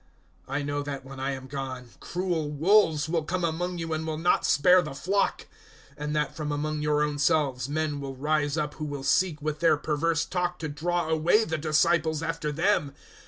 020:029 I know that, when I am gone, cruel wolves will come among you and will not spare the flock; 020:030 and that from among your own selves men will rise up who will seek with their perverse talk to draw away the disciples after them.